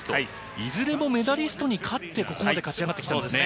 いずれもメダリストに勝ってここまで勝ち上がってきたですよね。